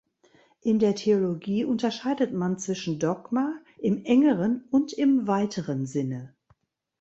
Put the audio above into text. In der Theologie unterscheidet man zwischen „Dogma“ im "engeren" und im "weiteren" Sinne.